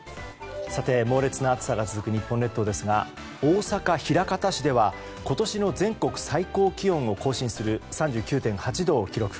猛烈な暑さが続く日本列島ですが大阪・枚方市では今年全国最高気温を更新する３９．８度を記録。